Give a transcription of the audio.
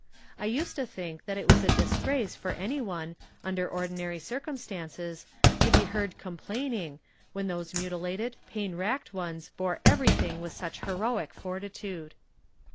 I used to think that it was a disgrace for any one, under ordinary circumstances, to be heard complaining, when those mutilated, pain racked ones bore everything with such heroic fortitude.